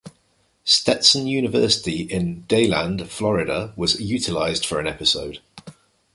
Stetson University in DeLand, Florida was utilized for an episode.